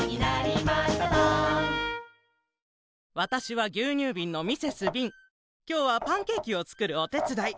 わたしはぎゅうにゅうびんのきょうはパンケーキをつくるおてつだい。